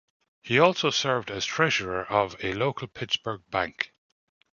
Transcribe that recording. He also served as treasurer of a local Pittsburgh bank.